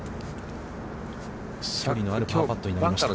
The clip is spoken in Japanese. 距離のあるパーパットになりました。